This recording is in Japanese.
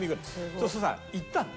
そうするとさ行ったの。